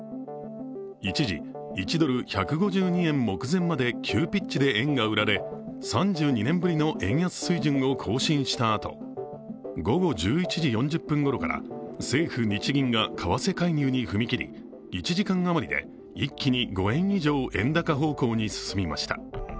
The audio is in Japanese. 一時１ドル＝１５２円目前まで急ピッチで円が売られ３２年ぶりの円安水準を更新したあと午後１１時４０分ごろから政府・日銀が為替介入に踏み切り１時間余りで一気に５円以上円高方向に進みました。